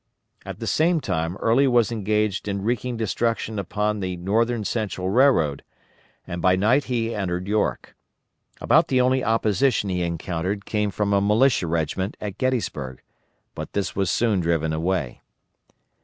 At the same time Early was engaged in wreaking destruction upon the Northern Central Railroad, and by night he entered York. About the only opposition he encountered came from a militia regiment at Gettysburg, but this was soon driven away.